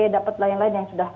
dapat lain lain yang sudah